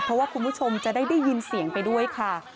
เพราะว่าคุณผู้ชมคุณผู้ชมจะได้ได้ยินเสียงไปด้วยค่ะ